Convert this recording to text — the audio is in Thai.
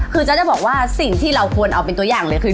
คือจ๊ะจะบอกว่าสิ่งที่เราควรเอาเป็นตัวอย่างเลยคือ